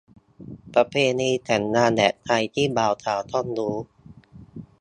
ประเพณีแต่งงานแบบไทยที่บ่าวสาวต้องรู้